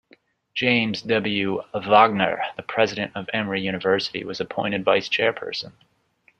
James W. Wagner, the president of Emory University, was appointed vice chairperson.